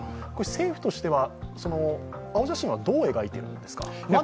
政府としては、青写真はどう描いてるんですか？